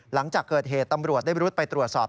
หลังจากเกิดเหตุตำรวจได้รุดไปตรวจสอบ